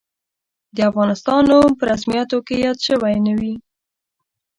د افغانستان نوم په رسمیاتو کې یاد شوی نه وي.